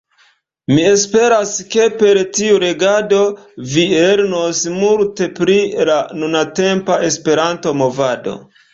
Mi esperas, ke per tiu legado vi lernos multe pri la nuntempa Esperanto-movado.